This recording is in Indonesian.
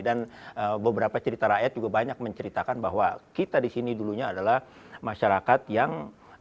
dan beberapa cerita rakyat juga banyak menceritakan bahwa kita di sini dulunya adalah masyarakat yang